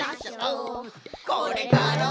「これから」